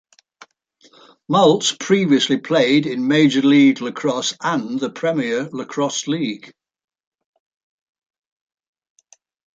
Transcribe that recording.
Maltz previously played in Major League Lacrosse and the Premier Lacrosse League.